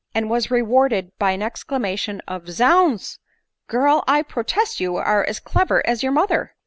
and was rewarded by an ex clamation of " Zounds! girl — I protest you are as clever as your mother